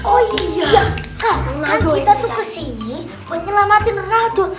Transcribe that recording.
oh iya kan kita tuh kesini buat nyelamatin ronaldo